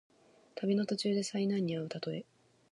旅の途中で災難にあうたとえ。